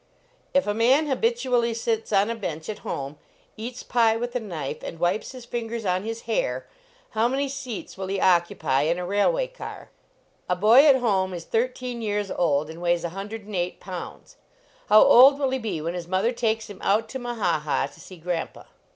If a man habitually sits on a bench at home, eats pie with a knife, and wipes his fingers on his hair, how main seats will he occupy in a railway car ? A boy at home is thirteen years old, and weighs 108 pounds ; how old will he be when his mother takes him out to Mahaha to see grandpa